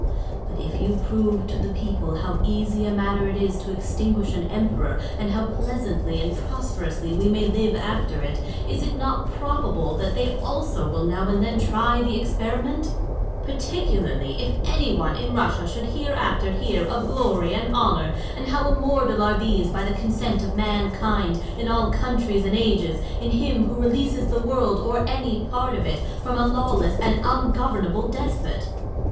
But if you prove to tlie people how easy a matter it is to extinguish an emperor, and how pleasantly and prosperously we may live after it. CA THARINE AND PRINCESS DASHKOF. 89 is it not probable that they also will now and then try the experiment ; particularly, if anyone in Russia should here after hear of glory and honour, and how immortal are these by the consent of mankind, in all countries and ages, in him who releases the world, or any part of it, from a lawless and ungovernable despot?